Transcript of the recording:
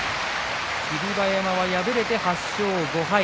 霧馬山、敗れて８勝５敗。